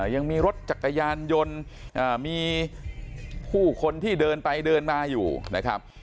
ยังมีรถจักรยานยนต์มีผู้คนที่เดินไปเดินมาอยู่นะครับ